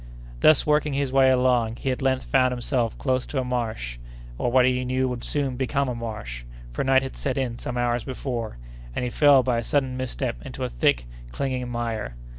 Thus working his way along, he at length found himself close to a marsh, or what he knew would soon become a marsh, for night had set in some hours before, and he fell by a sudden misstep into a thick, clinging mire.